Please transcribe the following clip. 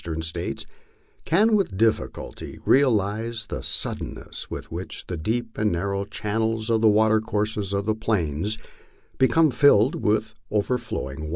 ern States, can with difficulty realize the suddenness with which the deep and narrow channels of watercourses on ihe Plains become filled to over flowing.